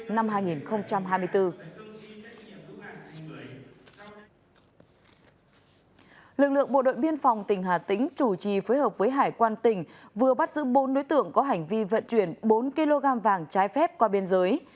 lực lượng bộ đội biên phòng tỉnh hà tĩnh chủ trì phối hợp với hải quan tỉnh vừa bắt giữ bốn đối tượng có hành vi vận chuyển bốn kg vàng trái phép qua biên giới